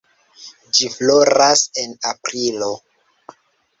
Ĝi floras en aprilo.